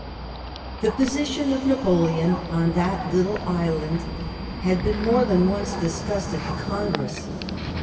The position of Napoleon on that little island had been more than once discussed at the Congress.